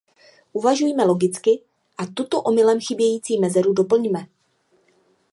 Uvažujme logicky a tuto omylem chybějící mezeru doplňme.